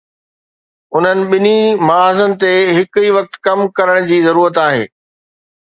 انهن ٻنهي محاذن تي هڪ ئي وقت ڪم ڪرڻ جي ضرورت آهي.